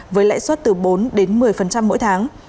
với lãi suất từ bốn đến một mươi mỗi tháng